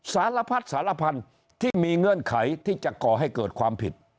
สารพัดสารพันธุ์ที่มีเงื่อนไขที่จะก่อให้เกิดความผิด